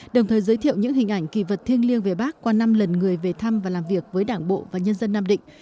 đồng thời giới thiệu những hình ảnh kỳ vật thiêng liêng về bác qua năm lần người về thăm và làm việc với đảng bộ và nhân dân nam định